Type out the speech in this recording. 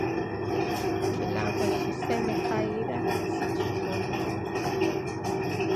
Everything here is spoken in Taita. Kilambo chisena faida sichikunde